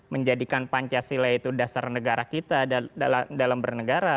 menjadikan pancasila itu dasar negara kita dalam bernegara